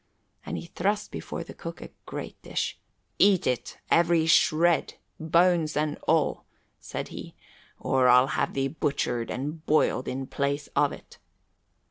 And he thrust before the cook a great dish. "Eat it, every shred, bones and all," said he, "or I'll have thee butchered and boiled in place of it."